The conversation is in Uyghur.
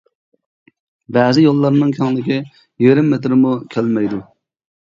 بەزى يوللارنىڭ كەڭلىكى يېرىم مېتىرمۇ كەلمەيدۇ.